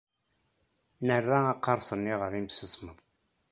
Nerra aqareṣ-nni ɣer yimsismeḍ.